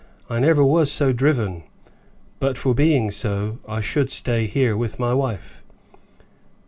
I never was so driven; but for being so I should stay here with my wife."